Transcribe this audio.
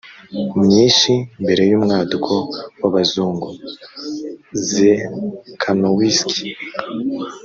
myinshi mbere y umwaduko w abazungu czekanowiski